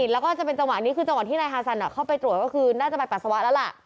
แล้วก็จะเป็นจังหวะนี้คือจังหวะที่นายฮาซันเข้าไปตรวจก็คือน่าจะไปปัสสาวะแล้วล่ะ